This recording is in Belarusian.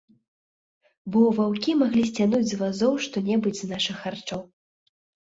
Бо ваўкі маглі сцягнуць з вазоў што-небудзь з нашых харчоў.